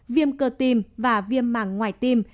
viêm cơ tim và viêm màng ngoài tim